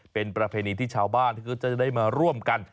เป็นประเพณีที่ชาวบ้านก็จะได้มาร่วมกัน